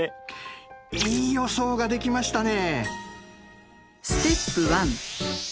いい予想ができましたね。